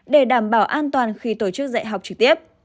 để đảm bảo an toàn khi tổ chức dạy học trực tiếp